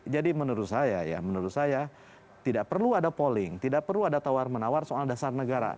jadi menurut saya tidak perlu ada polling tidak perlu ada tawar menawar soal dasar negara